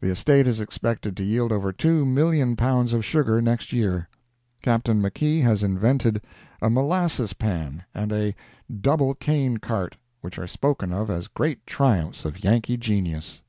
The estate is expected to yield over two million pounds of sugar next year. Captain Makee has invented a "molasses pan" and a "double cane cart," which are spoken of as great triumphs of Yankee genius.